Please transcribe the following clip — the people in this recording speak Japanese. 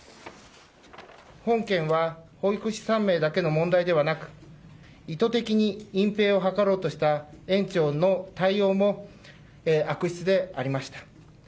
本件は保育士３名だけの問題ではなく、意図的に隠蔽を図ろうとした園長の対応も悪質でありました。